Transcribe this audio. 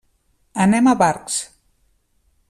Anem a Barx.